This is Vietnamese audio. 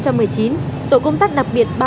tổ công tác đặc biệt ba mươi bốn